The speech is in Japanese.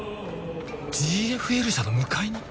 ＧＦＬ社の向かいに？